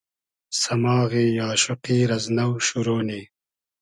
سئماغی آشوقی رئز نۆ شورۉ نی